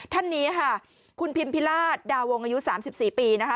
ท่านนี้ค่ะคุณพิมพิลาสดาวงายุสามสิบสี่ปีนะคะ